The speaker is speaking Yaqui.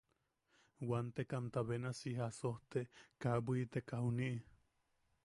Wantekamta benasi si jasojte kaa bwiteka juniʼi.